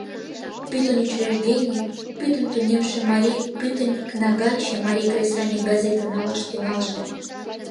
Пӱтынь учреждений, пӱтынь тунемше марий, пӱтынь кнагаче марий кресаньык газетым налаш тӱҥалже.